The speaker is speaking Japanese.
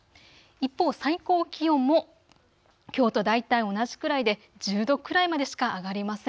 一方、最高気温もきょうと大体同じくらいで１０度くらいまでしか上がりません。